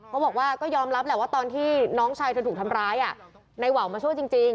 ก็บอกว่าก็ยอมรับแหละว่าตอนที่น้องชายเธอถูกทำร้ายในว่าวมาช่วยจริง